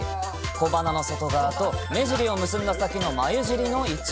小鼻の外側と目尻を結んだ先の眉尻の位置。